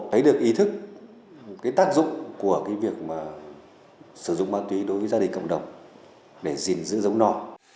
thấy được ý thức cái tác dụng của cái việc mà sử dụng ma túy đối với gia đình cộng đồng để gìn giữ giống nó